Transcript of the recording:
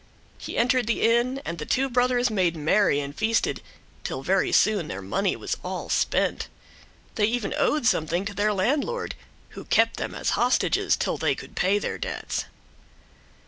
He entered the inn and the two brothers made merry and feasted, till very soon their money was all spent. They even owed something to their landlord, who kept them as hostages till they could pay their debts.